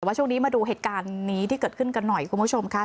แต่ว่าช่วงนี้มาดูเหตุการณ์นี้ที่เกิดขึ้นกันหน่อยคุณผู้ชมค่ะ